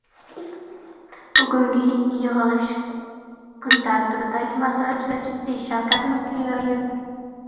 «Bugungi yig‘ilish kun tartibidagi masala juda jiddiy» — Shavkat Mirziyoyev